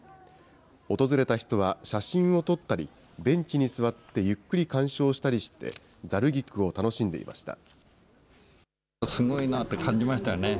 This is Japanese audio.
訪れた人は写真を撮ったり、ベンチに座って、ゆっくり観賞したりして、ざる菊を楽しんでいました。